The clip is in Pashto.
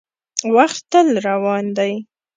• وخت تل روان دی.